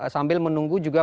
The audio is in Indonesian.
sambil menunggu juga